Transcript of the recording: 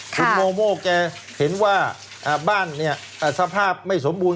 คุณโมโมแกเห็นว่าบ้านสภาพไม่สมบูรณ์